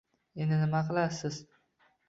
Endi nima qilasiz?